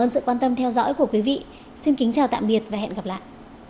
xin kính chào tạm biệt và hẹn gặp lại